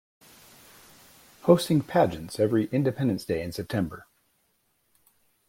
Hosting pageants every independence day in September.